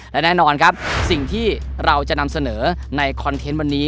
และแน่นอนครับสิ่งที่เราจะนำเสนอในคอนเทนต์วันนี้